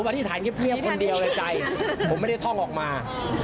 เปล่าอธิษฐานแค่เพียบเงียบคนเดียวในใจผมไม่ได้ท่องออกมา